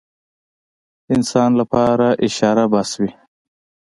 انسان لپاره اشاره بس وي.